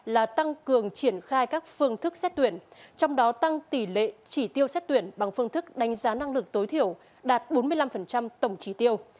là tăng cường triển khai các phương thức xét tuyển trong đó tăng tỷ lệ chỉ tiêu xét tuyển bằng phương thức đánh giá năng lực tối thiểu đạt bốn mươi năm tổng trí tiêu